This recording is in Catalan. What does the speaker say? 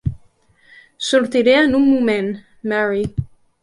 Sortiré en un moment, Mary.